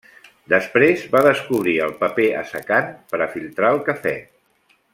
Després, va descobrir el paper assecant per a filtrar el cafè.